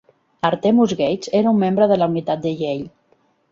Artemus Gates era un membre de la unitat de Yale.